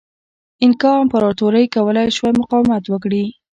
اینکا امپراتورۍ کولای شوای مقاومت وکړي.